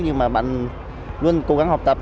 nhưng mà bạn luôn cố gắng học tập